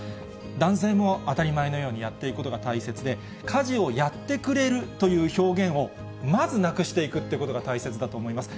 男性も当たり前のようにやっていくことが大切で、家事をやってくれるという表現をまずなくしていくということが大切だと思います。